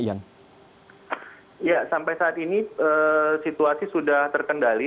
ya sampai saat ini situasi sudah terkendali